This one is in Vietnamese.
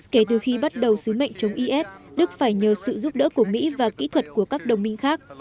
kể từ khi bắt đầu sứ mệnh chống is đức phải nhờ sự giúp đỡ của mỹ và kỹ thuật của các đồng minh khác